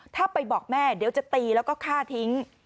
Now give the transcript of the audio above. ถ้าไปบอกแม่เดี๋ยวจะตีแล้วก็ฆ่าทิ้ง